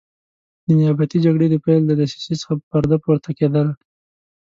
د نیابتي جګړې د پیل له دسیسې څخه پرده پورته کېدله.